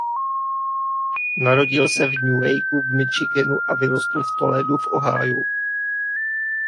Narodil se v Newaygu v Michiganu a vyrostl v Toledu v Ohiu.